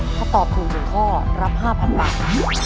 ถ้าตอบถูก๑ข้อรับ๕๐๐๐บาท